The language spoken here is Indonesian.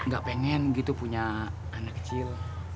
gak pengen gitu punya anak kecil